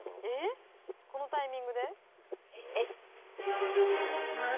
えっこのタイミングで？